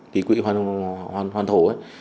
cái quỹ hoàn thổ